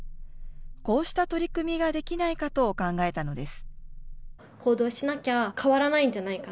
こうした取り組みができないかと考えたのです。